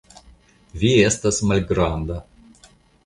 Vi estas malgranda.